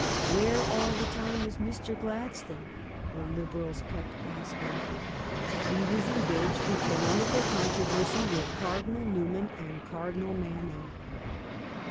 Where, all the time, was Mr. Gladstone? the Liberals kept asking. He was engaged in polem ical controversy with Cardinal Newman and Car dinal Manning.